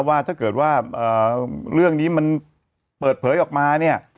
ว่าถ้าเกิดว่าเรื่องนี้มันเปิดเผยออกมาเนี่ย